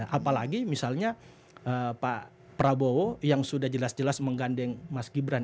apalagi misalnya pak prabowo yang sudah jelas jelas menggandeng mas gibran